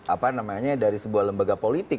apa namanya dari sebuah lembaga politik